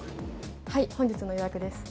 はい、本日の予約です。